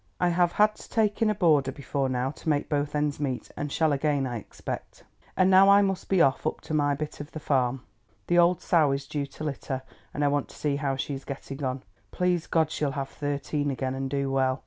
I have had to take in a boarder before now to make both ends meet, and shall again, I expect. "And now I must be off up to my bit of a farm; the old sow is due to litter, and I want to see how she is getting on. Please God she'll have thirteen again and do well.